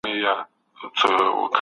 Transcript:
پرون ډېر بازان په هوا کي البوهمېشه.